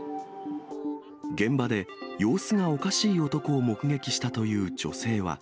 現場で様子がおかしい男を目撃したという女性は。